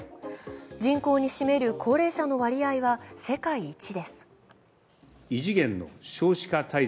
人口に占める高齢者の割合は世界一です。